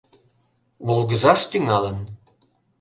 Волгыжаш тӱҥалын.